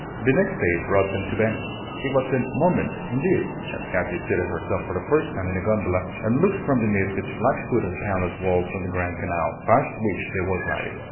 The next day brought them to Venice. It was a "moment," indeed, as Katy seated herself for the first time in a gondola, and looked from beneath its black hood at the palace walls on the Grand Canal, past which they were gliding.